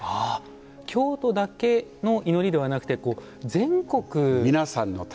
京都だけの祈りではなくて全国。